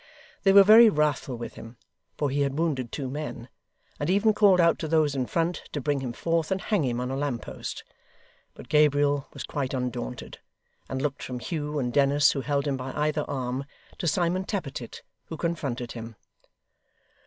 They were very wrathful with him (for he had wounded two men), and even called out to those in front, to bring him forth and hang him on a lamp post. But Gabriel was quite undaunted, and looked from Hugh and Dennis, who held him by either arm, to Simon Tappertit, who confronted him.